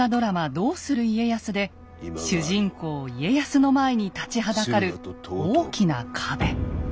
「どうする家康」で主人公・家康の前に立ちはだかる大きな壁。